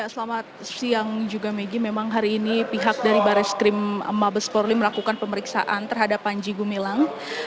selamat siang megi memang hari ini pihak dari bares krim mabes polri melakukan pemeriksaan terhadap panjigu milang